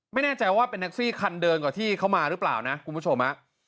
ไม่แน่ใจว่าเป็นแท็กซี่คันเดิมกว่าที่เขามาหรือเปล่านะคุณผู้ชม